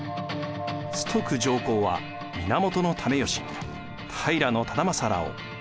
崇徳上皇は源為義平忠正らを。